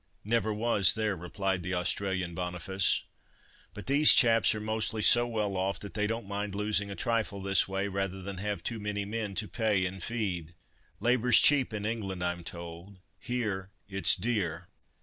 Never was there," replied the Australian Boniface; "but these chaps are mostly so well off, that they don't mind losing a trifle this way, rather than have too many men to pay and feed. Labour's cheap in England, I'm told; here it's dear.